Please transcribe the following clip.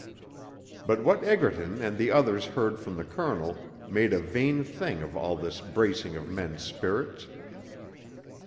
But what Egerton and the others heard from the Colonel made a vain thing of all this bracing of men's spirits.